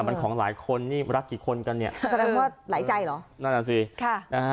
มันของหลายคนนี่รักกี่คนกันเนี่ยแสดงว่าหลายใจเหรอนั่นอ่ะสิค่ะนะฮะ